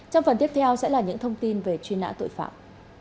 trong phần tiếp theo sẽ là những thông tin về truy nã tội phạm